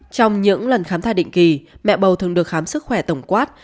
trong những lần khám thai định kỳ mẹ bầu thường được khám sức khỏe tổng quát